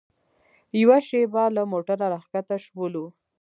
یوه شېبه له موټره راښکته شولو.